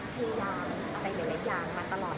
ก็ไปอยู่ในนัยยางมาตลอด